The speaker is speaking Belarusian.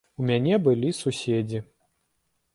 У мяне былі суседзі.